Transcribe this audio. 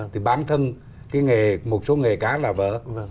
thì bản thân cái nghề một số nghề cá là vỡ